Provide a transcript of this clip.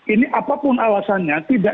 ini apapun alasannya tidak